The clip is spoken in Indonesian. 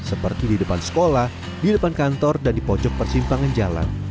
seperti di depan sekolah di depan kantor dan di pojok persimpangan jalan